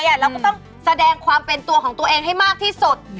เราก็ต้องแสดงความเป็นตัวของตัวเองให้มากที่สุด